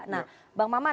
nah bang maman